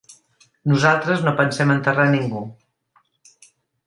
Nosaltres no pensem enterrar ningú.